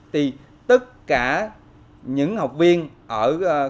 thì tất cả các hướng dẫn viên của chúng tôi